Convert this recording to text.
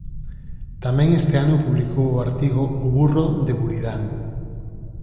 Tamén este ano publicou o artigo "O burro de Buridán".